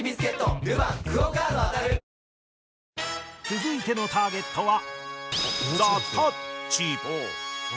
続いてのターゲットは